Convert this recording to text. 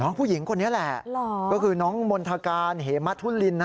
น้องผู้หญิงคนนี้แหละก็คือน้องมณฑการเหมทุลินฮะหรอ